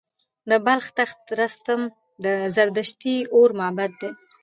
د بلخ تخت رستم د زردشتي اور معبد دی